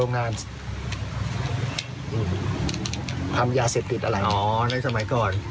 อ๋อในสมัยก่อน